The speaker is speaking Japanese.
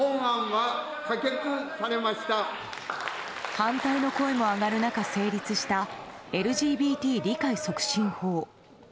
反対の声も上がる中、成立したＬＧＢＴ理解促進法。